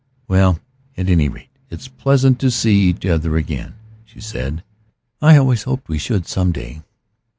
"Well, at any rate it's pleasant to see each other again," she said. "I always hoped we should some day.